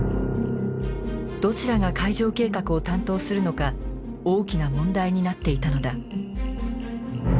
どちらが会場計画を担当するのか大きな問題になっていたのだ。